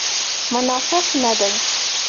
منافق نه دی.